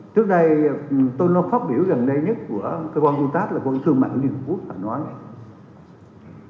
trước đây tôi nói phát biểu gần đây nhất của cơ quan u tac là công ty thương mạnh liên hợp quốc